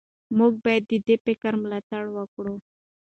موږ باید د دې فکر ملاتړ وکړو.